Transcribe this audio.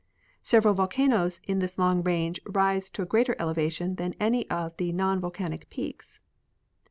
Several vol cafioes in this long range rise to a greater elevation than any of the non volcanic peaks.